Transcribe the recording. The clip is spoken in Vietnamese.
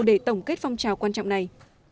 để tổng kết phong trào quan trọng này